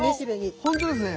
あっほんとですね。